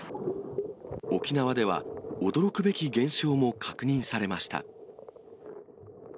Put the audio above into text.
沖縄では、驚くべき現象も確認されました。